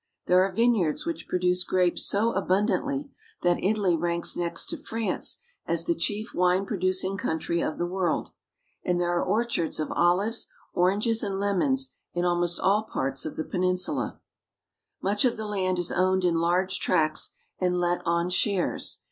There are vineyards which produce grapes so abundantly that Italy ranks next to France as the chief wine producing country of the world, and there are orchards of olives, oranges, and lemons in almost all parts of the peninsula. NORTHERN ITALY. 403 Much of the land is owned in large tracts, and let on shares.